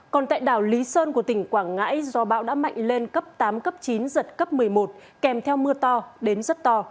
còn tại đảo lý sơn của tỉnh quảng ngãi gió bão đã mạnh lên cấp tám cấp chín giật cấp một mươi một kèm theo mưa to đến rất to